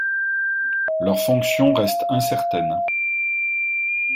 Leur fonction reste incertaine.